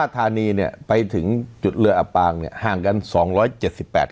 ธานีเนี่ยไปถึงจุดเรืออับปางเนี่ยห่างกันสองร้อยเจ็ดสิบแปด